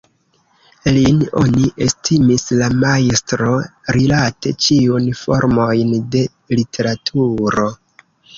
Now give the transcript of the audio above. Lin oni estimis la majstro rilate ĉiun formojn de literaturo.